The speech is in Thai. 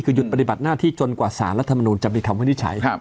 คือหยุดพิกัดหน้าที่จนกว่าศาสนรัฐรัฐมานูนจามีคำวินิจฉัย